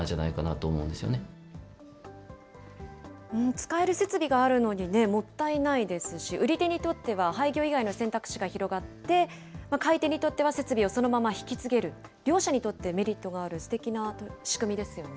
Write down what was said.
使える設備があるのにもったいないですし、売り手にとっては廃業以外の選択肢が広がって、買い手にとっては設備をそのまま引き継げる、両者にとってメリットがある、すてきな仕組みですよね。